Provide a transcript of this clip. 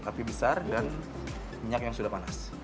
api besar dan minyak yang sudah panas